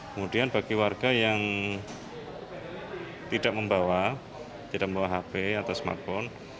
kemudian bagi warga yang tidak membawa hp atau smartphone